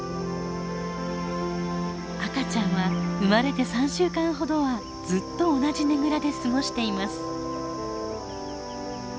赤ちゃんは生まれて３週間ほどはずっと同じねぐらで過ごしています。